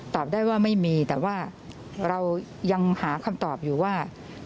ตอบได้ว่าไม่มีแต่ว่าเรายังหาคำตอบอยู่ว่า